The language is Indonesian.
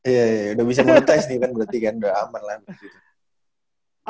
iya iya udah bisa monetize nih kan berarti kan udah aman lah